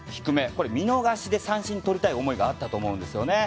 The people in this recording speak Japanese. これ、見逃しで三振をとりたいという思いがあったと思うんですよね。